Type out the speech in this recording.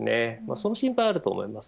その心配はあると思います。